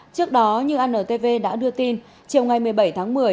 trước đó như antv đã đưa tin chiều ngày một mươi bảy tháng một mươi